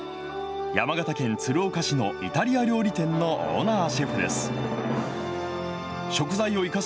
山形県鶴岡市のイタリア料理店のオーナーシェフです。